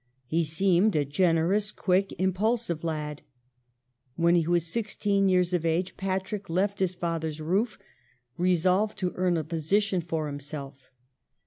He seemed a generous, quick, impulsive lad. When he was sixteen years of age Patrick left his father's roof, resolved to earn a position for himself.